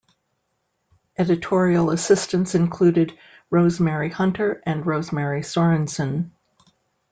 Editorial assistants included Rosemary Hunter and Rosemary Sorensen.